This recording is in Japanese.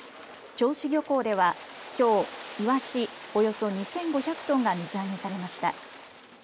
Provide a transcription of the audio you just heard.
銚子漁港ではきょうイワシおよそ２５００トンが水揚げされました。